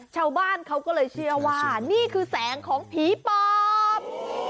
ชาวบ้านเขาก็เลยเชื่อว่านี่คือแสงของผีปอบ